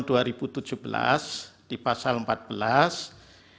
itu dibentuk tim pengendali pelaksana penyaluran